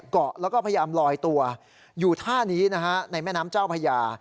เกาะแล้วก็พยายามลอยตัวอยู่ท่านี้นะฮะในแม่น้ำเจ้าพญา